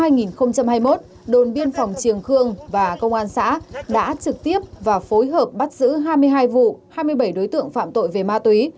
năm hai nghìn hai mươi một đồn biên phòng triềng khương và công an xã đã trực tiếp và phối hợp bắt giữ hai mươi hai vụ hai mươi bảy đối tượng phạm tội về ma túy